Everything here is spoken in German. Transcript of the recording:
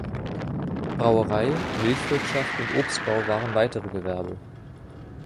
Brauerei, Milchwirtschaft und Obstbau waren weitere Gewerbe.